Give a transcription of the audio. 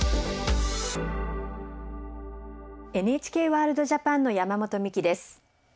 「ＮＨＫワールドＪＡＰＡＮ」の山本美希です。